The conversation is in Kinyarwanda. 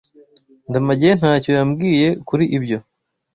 Ndamage ntacyo yambwiye kuri ibyo.